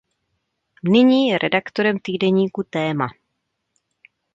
Nyní je redaktorem týdeníku "Téma".